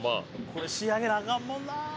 これ仕上げなあかんもんな！